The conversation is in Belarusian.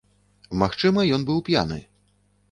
Магчыма, ён быў п'яны.